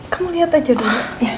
kamu lihat aja dulu